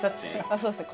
そうですね。